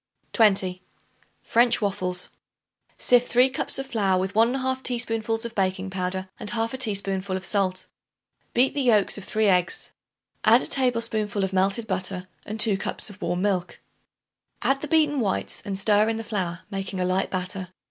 20. French Waffles. Sift 3 cups of flour with 1 1/2 teaspoonfuls of baking powder and 1/2 teaspoonful of salt. Beat the yolks of 3 eggs; add a tablespoonful of melted butter and 2 cups of warm milk. Add the beaten whites and stir in the flour, making a light batter.